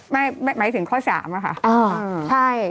ไม่หมายถึงข้อ๓อะค่ะ